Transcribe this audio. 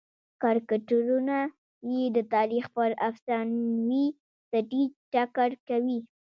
کرکټرونه یې د تاریخ پر افسانوي سټېج ټکر کوي.